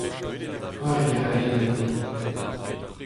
c'hoari a rae gante.